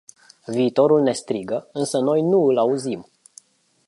Viitorul ne strigă, însă noi nu îl auzim.